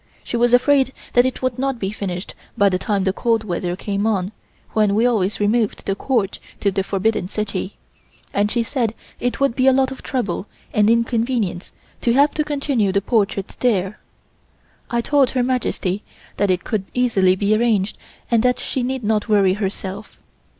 She was afraid that it would not be finished by the time the cold weather came on, when we always removed the Court to the Forbidden City, and she said it would be a lot of trouble and inconvenience to have to continue the portrait there. I told Her Majesty that it could easily be arranged and that she need not worry herself.